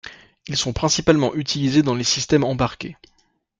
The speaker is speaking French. Ils sont principalement utilisés dans les systèmes embarqués.